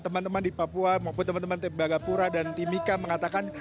teman teman di papua maupun teman teman tim bagapura dan timika mengatakan